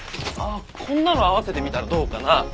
あっこんなの合わせてみたらどうかな？